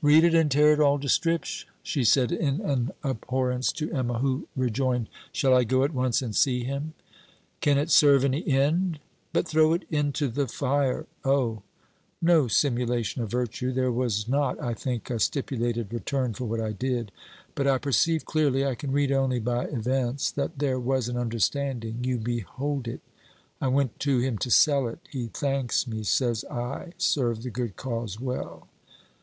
'Read it and tear it all to strips,' she said in an abhorrence to Emma, who rejoined: 'Shall I go at once and see him?' 'Can it serve any end? But throw it into the fire. Oh! no simulation of virtue. There was not, I think, a stipulated return for what I did. But I perceive clearly I can read only by events that there was an understanding. You behold it. I went to him to sell it. He thanks me, says I served the good cause well.